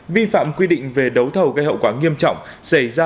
vi phạm quy định về đấu thầu gây hậu quả nghiêm trọng